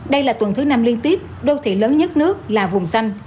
đây là tuần thứ năm liên tiếp đô thị lớn nhất nước là vùng xanh